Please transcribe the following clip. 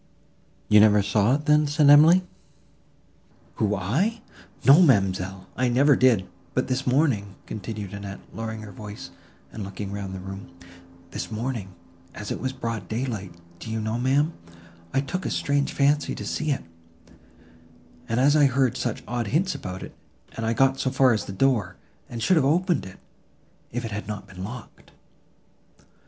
"You never saw it, then?" said Emily. "Who, I!—No, ma'amselle, I never did. But this morning," continued Annette, lowering her voice, and looking round the room, "this morning, as it was broad daylight, do you know, ma'am, I took a strange fancy to see it, as I had heard such odd hints about it, and I got as far as the door, and should have opened it, if it had not been locked!"